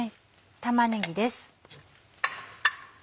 玉ねぎです。